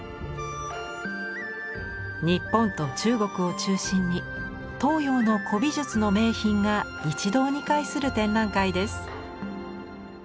日本と中国を中心に東洋の古美術の名品が一堂に会する展覧会です。